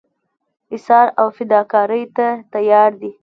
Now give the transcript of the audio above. ایثار او فداکارۍ ته تیار دي.